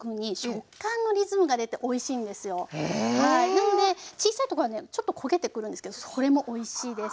なので小さいところはねちょっと焦げてくるんですけどそれもおいしいです。